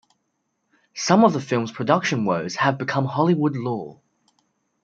Some of the film's production woes have become Hollywood lore.